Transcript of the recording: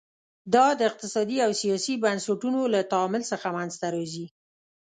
دا د اقتصادي او سیاسي بنسټونو له تعامل څخه منځته راځي.